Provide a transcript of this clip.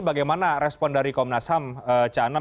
bagaimana respon dari komnas ham caanam